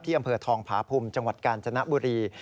อำเภอทองผาภูมิจังหวัดกาญจนบุรี